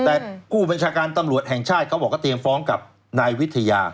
แต่ผู้บัญชาการตำรวจแห่งชาติเขาบอกว่าเตรียมฟ้องกับนายวิทยา